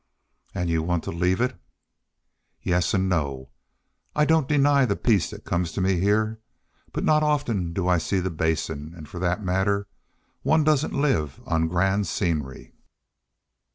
"An' you want to leave it?" "Yes an' no. I don't deny the peace that comes to me heah. But not often do I see the Basin, an' for that matter, one doesn't live on grand scenery."